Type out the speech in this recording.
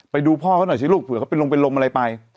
ไปดูพ่อเขาหน่อยใช่ไหมลูกเผื่อเขาไปลงเป็นลมอะไรไป